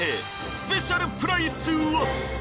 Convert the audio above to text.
スペシャルプライスは！？